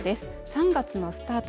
３月のスタート